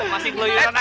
masih keluyuran aja